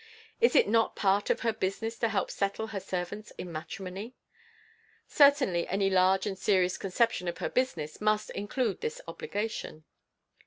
Is it not part of her business to help settle her servants in matrimony? Certainly any large and serious conception of her business must include this obligation.